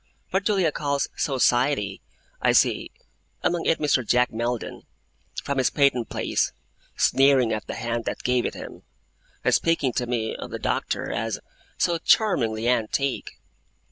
What Julia calls 'society', I see; among it Mr. Jack Maldon, from his Patent Place, sneering at the hand that gave it him, and speaking to me of the Doctor as 'so charmingly antique'.